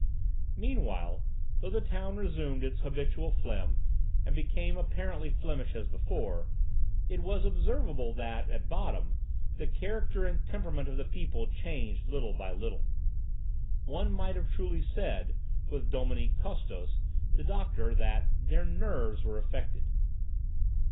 Meanwhile, though the town resumed its habitual phlegm, and became apparently Flemish as before, it was observable that, at bottom, the character and temperament of the people changed little by little. One might have truly said, with Dominique Custos, the doctor, that "their nerves were affected."